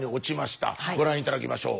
ご覧頂きましょう。